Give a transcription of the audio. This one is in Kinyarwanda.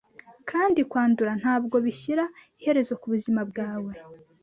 Kandi kwandura ntabwo bishyira iherezo ku buzima bwawe